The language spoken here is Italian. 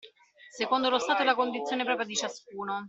Secondo lo stato e la condizione propria di ciascuno.